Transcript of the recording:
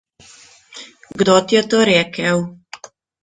Kdo ti je to rekel?